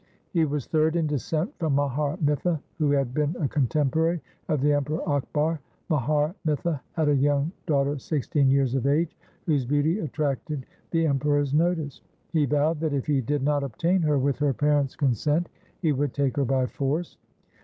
He was third in descent from Mahar Mitha, who had been a contemporary of the Emperor Akbar. Mahar Mitha had a young daughter sixteen years of age, whose beauty attracted the Emperor's notice. He vowed that if he did not obtain her with her parents' consent, he would take her by force.